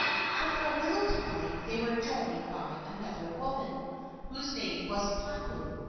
After a little time they were joined by another woman, whose name was Papau.